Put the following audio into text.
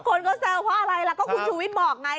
คนก็แซวเพราะอะไรล่ะก็คุณชูวิทย์บอกไง